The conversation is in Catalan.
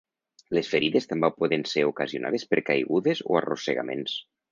Les ferides també poden ser ocasionades per caigudes o arrossegaments.